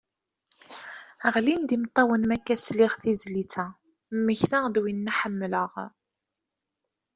Ɣlin-d imettawen makka sliɣ tizlit a, mmektaɣ-d winna ḥemmleɣ.